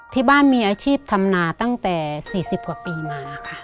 ที่บ้านมีอาชีพทำนาตั้งแต่๔๐กว่าปีมาค่ะ